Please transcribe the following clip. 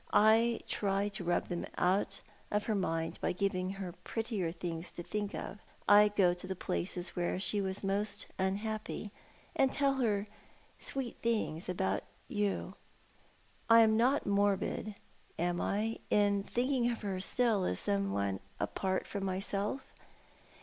I try to rub them out of her mind by giving her prettier things to think of. I go to the places where she was most unhappy, and tell her sweet things about you. I am not morbid, am I, in thinking of her still as some one apart from myself?